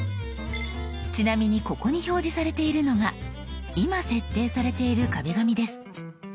ちなみにここに表示されているのが今設定されている壁紙です。